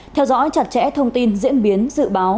theo dõi chặt chẽ thông tin diễn biến dự báo